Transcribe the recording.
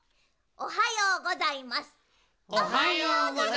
おはようございまする。